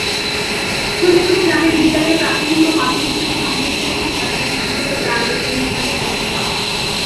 শৈশবে গ্রামের বিদ্যালয়ে প্রাথমিক ও মাধ্যমিক শিক্ষা সম্পন্ন করে তিনি ঢাকা বিশ্ববিদ্যালয়ের প্রাণ রসায়ন বিভাগে ভর্তি হন।